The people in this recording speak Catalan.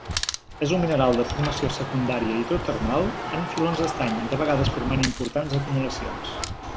És un mineral de formació secundària hidrotermal en filons d'estany, de vegades formant importants acumulacions.